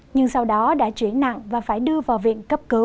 nhưng sau đó đã chuyển nặng và phải đưa vào viện cấp cứu